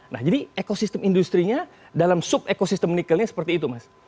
nah jadi ekosistem industri nya dalam sub ekosistem nikelnya seperti itu mas